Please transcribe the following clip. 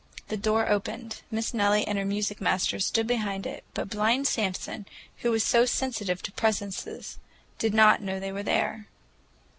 The door opened; Miss Nellie and her music master stood behind it, but blind Samson, who was so sensitive to presences, did not know they were there.